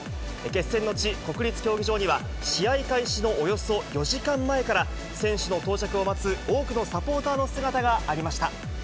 決戦の地、国立競技場には試合開始のおよそ４時間前から、選手の到着を待つ多くのサポーターの姿がありました。